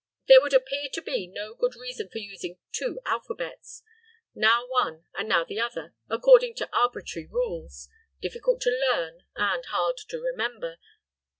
There would appear to be no good reason for using two alphabets, now one and now the other, according to arbitrary rules, difficult to learn and hard to remember.